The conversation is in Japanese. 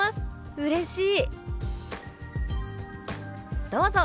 うれしい！」。